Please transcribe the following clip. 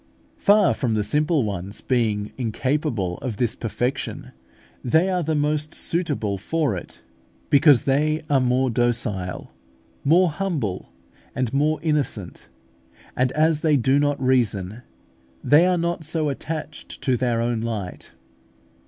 Far from the simple ones being incapable of this perfection, they are the most suitable for it, because they are more docile, more humble, and more innocent; and as they do not reason, they are not so attached to their own light.